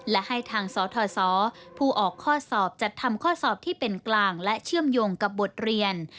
และให้ทางสทศผู้ออกข้อสอบจัดทำข้อสอบที่เป็นกลางและเชื่อมโยงกับบทเรียน